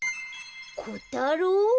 「こたろう」？